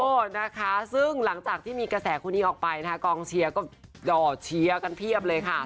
นะคะซึ่งหลังจากที่มีกระแสคนนี้ออกไปนะคะกองเชียร์ก็ด่อเชียร์กันเพียบเลยค่ะ